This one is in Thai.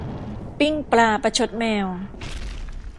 ปิ้งปลาประชดแมว